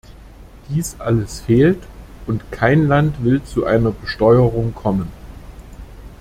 Dieses alles fehlt, und kein Land will zu einer Besteuerung kommen.